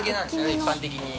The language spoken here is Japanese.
一般的に。